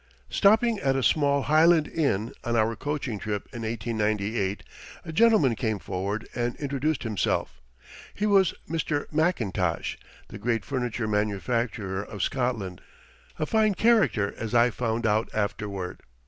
Stopping at a small Highland inn on our coaching trip in 1898, a gentleman came forward and introduced himself. He was Mr. MacIntosh, the great furniture manufacturer of Scotland a fine character as I found out afterward.